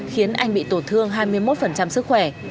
khiến anh bị tổn thương hai mươi một sức khỏe